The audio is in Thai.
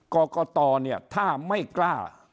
กรกตเนี่ยถ้าไม่กล้า